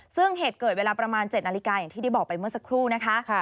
ซึ่งเหตุเกิดเวลาประมาณ๗นาฬิกาอย่างที่ได้บอกไปเมื่อสักครู่นะคะ